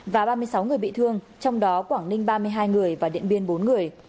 và ba mươi sáu người bị thương trong đó quảng ninh ba mươi hai người và điện biên bốn người